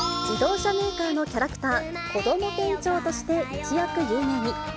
自動車メーカーのキャラクター、こども店長として一躍有名に。